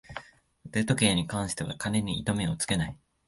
腕時計に関しては金に糸目をつけない